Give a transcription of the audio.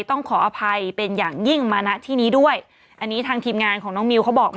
ต้องขออภัยเป็นอย่างยิ่งมาณที่นี้ด้วยอันนี้ทางทีมงานของน้องมิวเขาบอกมา